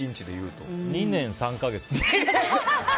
２年３か月。